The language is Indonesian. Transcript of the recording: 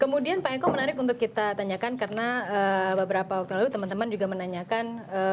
kemudian pak eko menarik untuk kita tanyakan karena beberapa waktu lalu teman teman juga menanyakan